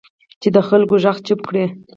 چې د خلکو غږ چپ کړي